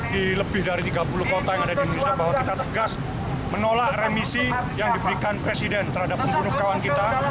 di lebih dari tiga puluh kota yang ada di indonesia bahwa kita tegas menolak remisi yang diberikan presiden terhadap pembunuh kawan kita